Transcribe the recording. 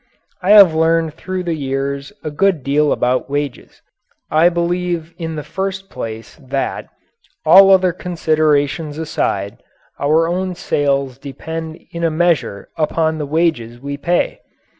I have learned through the years a good deal about wages. I believe in the first place that, all other considerations aside, our own sales depend in a measure upon the wages we pay.